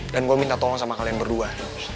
dan gue minta tolong sama kalian berdua